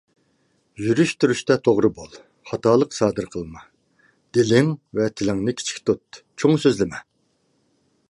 يۈرۈش تۇرۇشتا توغرا بول، خاتالىق سادىر قىلما. دىلىڭ ۋە تىلىڭنى كىچىك تۇت، چوڭ سۆزلىمە.